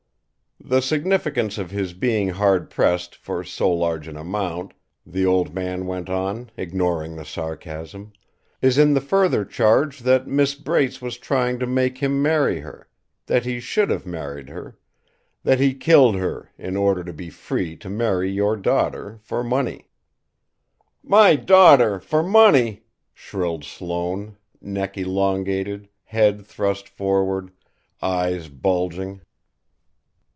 "The significance of his being hard pressed, for so large an amount," the old man went on, ignoring the sarcasm, "is in the further charge that Miss Brace was trying to make him marry her, that he should have married her, that he killed her in order to be free to marry your daughter for money." "My daughter! For money!" shrilled Sloane, neck elongated, head thrust forward, eyes bulging.